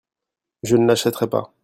Je ne l'achèterai pas.